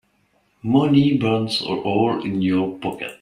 Money burns a hole in your pocket.